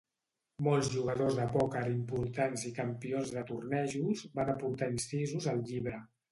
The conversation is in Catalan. Molts jugadors de pòquer importants i campions de tornejos van aportar incisos al llibre.